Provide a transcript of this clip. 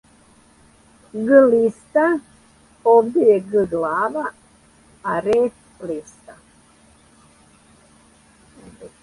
г листа , овде је г глава а реп листа.